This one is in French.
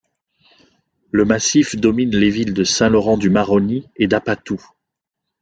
Le massif domine les villes de Saint-Laurent-du-Maroni et d'Apatou.